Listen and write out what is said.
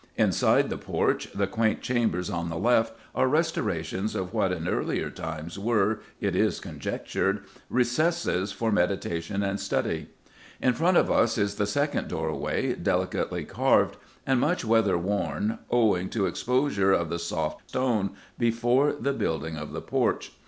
Inside the porch the quaint chambers on the left are restorations of what in earlier times were, it is conjectured, recesses for meditation and study. In front of us is the second doorway, delicately carved, and much weather worn owing to exposure of the soft stone before the building of the porch.